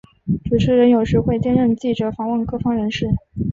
主持人有时会兼任记者访问各方人士。